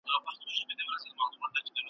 د نري رنځ د ناروغی په اثر ,